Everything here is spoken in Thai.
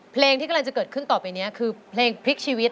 เพลงที่กำลังจะเกิดต่อไปเนี่ยเป็นเพลงเพลงภิกษ์ชีวิต